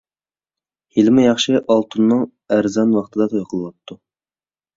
ھېلىمۇ ياخشى ئالتۇننىڭ ئەرزان ۋاقتىدا توي قىلىۋاپتۇ.